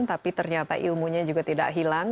tapi ternyata ilmunya juga tidak hilang